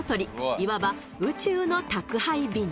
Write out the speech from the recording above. いわば宇宙の宅配便